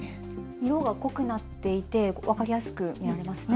色が濃くなっていて分かりやすいですね。